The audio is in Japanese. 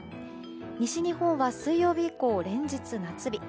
西日本は水曜日以降、連日夏日。